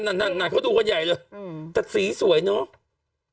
นั่นน่ะเขาดูกันใหญ่เลยแต่สีสวยเนอะ